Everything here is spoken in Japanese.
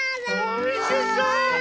おいしそう！